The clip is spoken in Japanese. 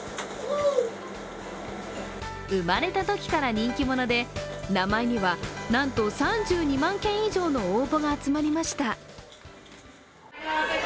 生まれたときから人気者で名前にはなんと３２万件以上の応募が集まりました。